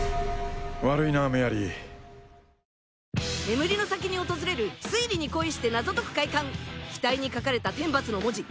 悪いなメアリー眠りの先に訪れる推理に恋して謎解く快感額に書かれた天罰の文字